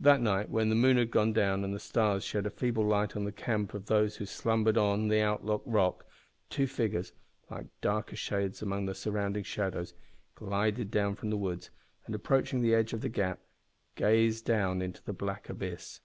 That night when the moon had gone down and the stars shed a feeble light on the camp of those who slumbered on the Outlook rock, two figures, like darker shades among the surrounding shadows, glided from the woods, and, approaching the edge of the gap, gazed down into the black abyss.